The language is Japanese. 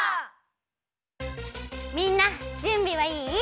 みんなじゅんびはいい？